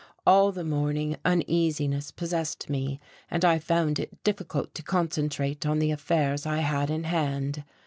All the morning uneasiness possessed me, and I found it difficult to concentrate on the affairs I had in hand.